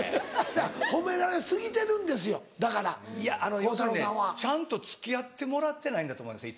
褒められ過ぎてるんですよだから鋼太郎さんは。ちゃんと付き合ってもらってないんだと思うんですよ